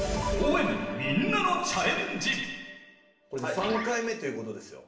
３回目ということですよ。